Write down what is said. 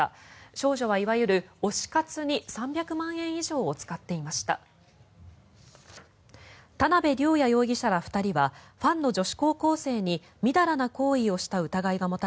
少女はいわゆる推し活に３００万円以上を使っていました。